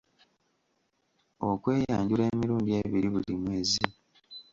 Okweyanjula emirundi ebiri buli mwezi.